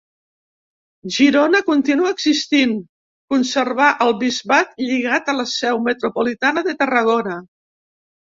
Girona continuà existint, conservà el bisbat lligat a la seu metropolitana de Tarragona.